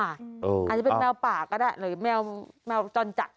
อาจจะเป็นแมวป่าก็ได้หรือแมวจรจัด